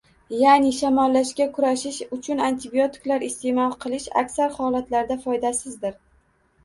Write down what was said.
Ya’ni shamollashga kurashish uchun antibiotiklar iste’mol qilish aksar holatlarda foydasizdir!